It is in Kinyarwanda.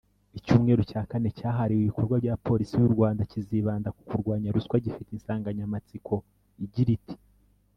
Icyumweru cya kane cyahariwe ibikorwa bya Polisi y’u Rwanda kizibanda ku kurwanya ruswa gifite insanganyamatsiko igira iti